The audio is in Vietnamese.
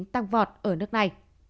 tăng vọt ở nước này